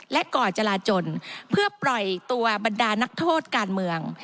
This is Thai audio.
และก่อจราจนเพื่อปล่อยตัวบรรดานักโทษการเมือง